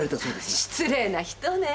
失礼な人ね！